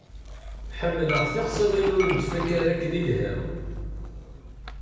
Ḥemmleɣ tiqsiḍin ur nettfaka akken ilha.